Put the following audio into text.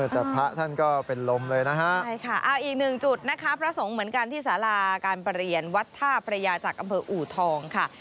แต่พระท่านก็เป็นลมเลยนะฮะใช่ค่ะเอาอีกหนึ่งจุดนะคะพระสงฆ์เหมือนกันที่สาราการประเรียนวัดท่าพระยาจากอำเภออูทองค่ะ